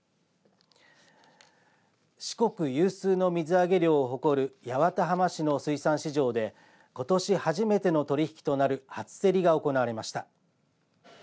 四国有数の水揚げ量を誇る八幡浜市の水産市場でことし初めての取り引きとなる初競りが行われました。